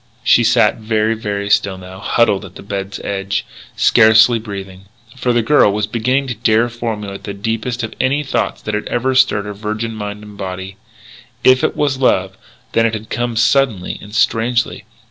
She sat very, very still now, huddled on the bed's edge, scarcely breathing. For the girl was beginning to dare formulate the deepest of any thoughts that ever had stirred her virgin mind and body. If it was love, then it had come suddenly, and strangely.